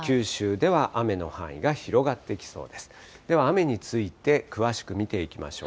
では雨について、詳しく見ていきましょう。